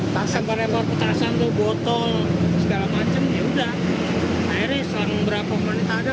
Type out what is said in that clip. kejadian tengah sini tasang tasan botol segala macam ya udah airnya selama berapa menit ada